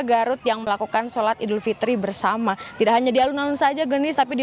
garut yang melakukan sholat idul fitri bersama tidak hanya di alun alun saja gernis tapi di